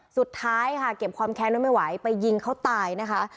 สุดท้ายค่ะเก็บความแค้นไว้ไม่ไหวไปยิงเขาตายนะคะ